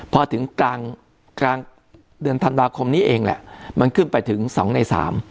พอถึงกลางกลางเดือนธันวาคมนี้เองแหละมันขึ้นไปถึง๒ใน๓